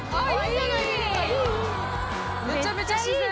めちゃめちゃ自然。